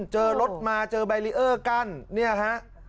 เจอรถมาเจอแบรีเออร์กั้นเนี่ยฮะ